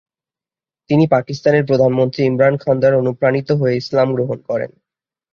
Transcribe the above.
তিনি পাকিস্তানের প্রধানমন্ত্রী ইমরান খান দ্বারা অনুপ্রাণিত হয়ে ইসলাম গ্রহণ করেন।